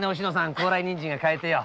高麗人参が買えて。